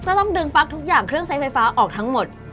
ต้องดึงปลั๊กทุกอย่างเครื่องใช้ไฟฟ้าออกทั้งหมด